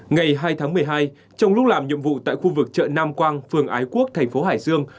ngày hai tháng một mươi hai trong lúc làm nhiệm vụ tại khu vực chợ nam quang phường ái quốc thành phố hải dương